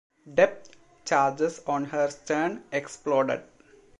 Depth charges on her stern exploded.